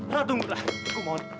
rah tunggu rah aku mohon